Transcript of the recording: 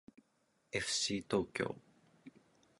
えふしー東京